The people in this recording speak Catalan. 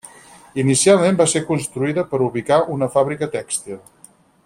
Inicialment va ser construïda per ubicar una fàbrica tèxtil.